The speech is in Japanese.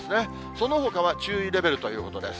そのほかは注意レベルということです。